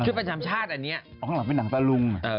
ชุดประจำชาติอันนี้ข้างหลังเป็นนางตารุง